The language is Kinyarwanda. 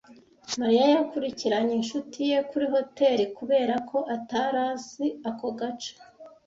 Mariya yakurikiranye inshuti ye kuri hoteri kubera ko atari azi ako gace.